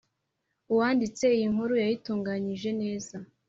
Uwanditse iyi nkuru yayitunganyije neza